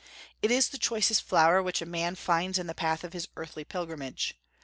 It is the choicest flower which a man finds in the path of his earthly pilgrimage.